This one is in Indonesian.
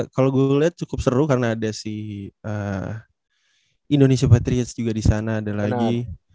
kalau gue lihat cukup seru karena ada si indonesia patriots juga di sana ada lagi